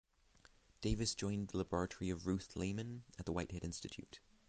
Davis joined the laboratory of Ruth Lehmann at the Whitehead Institute.